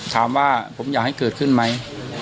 ถามว่าผมอยากให้เกิดขึ้นไหม